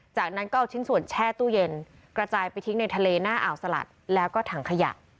จากนั้นก็เอาชิ้นส่วนแช่ตู้เย็นกระจายไปทิ้งในทะเลหน้าอ่าวสลัดแล้วก็ถังขยะ